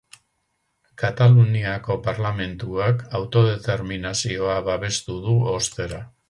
Kataluniako Parlamentuak autodeterminazioa babestu du ostera